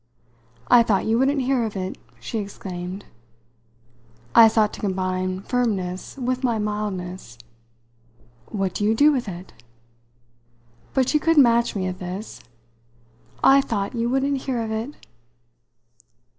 "I thought you wouldn't hear of it!" she exclaimed. I sought to combine firmness with my mildness. "What do you do with it?" But she could match me at this. "I thought you wouldn't hear of it!"